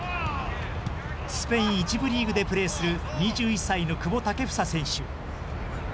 スペイン１部リーグでプレーする２１歳の久保建英選手。